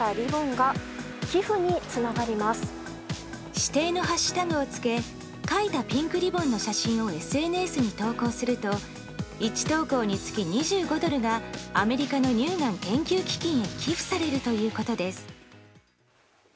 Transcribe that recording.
指定のハッシュタグをつけ描いたピンクリボンの写真をＳＮＳに投稿すると１投稿につき２５ドルがアメリカの乳がん研究基金へ寄付されるということです。